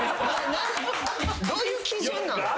どういう基準なん。